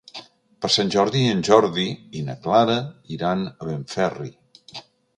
Per Sant Jordi en Jordi i na Clara iran a Benferri.